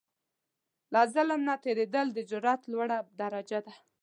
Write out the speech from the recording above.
له ظلم نه تېرېدل، د جرئت لوړه درجه ده.